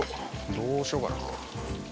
どうしようかな。